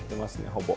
ほぼ。